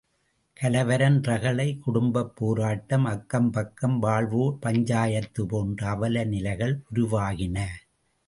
கலவரம், ரகளை, குடும்பப் போராட்டம், அக்கம் பக்கம் வாழ்வோர் பஞ்சாயத்து போன்ற அவல நிலைகள் உருவாகின.